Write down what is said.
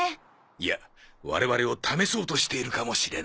いや我々を試そうとしているかもしれない。